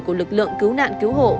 của lực lượng cứu nạn cứu hộ